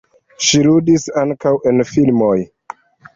Ŝi ludis ankaŭ en filmoj.